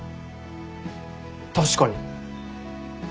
確かに。